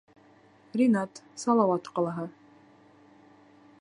Ринат, Салауат ҡалаһы.